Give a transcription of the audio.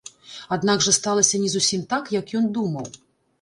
Аднак жа сталася не зусім так, як ён думаў.